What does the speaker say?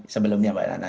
sebelumnya pak rana